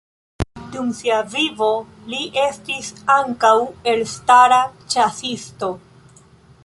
Dum sia vivo li estis ankaŭ elstara ĉasisto.